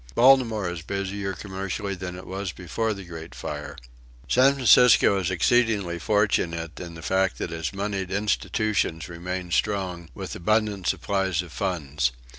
Baltimore is busier commercially than it was before the great fire. "San Francisco is exceedingly fortunate in the fact that its moneyed institutions remain strong, with abundant supplies of funds.